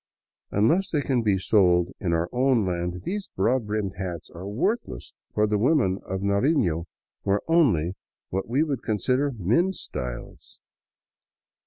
Unless they can be sold in our own land, these broad brimmed hats are worthless, for the women of Narifio wear only what we would con sider " men's styles."